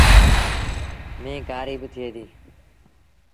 ميݩهن ڪآريٚ با ٿئي ديٚ ۔